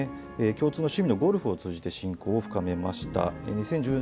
共通の趣味のゴルフを通じて親交を深めました。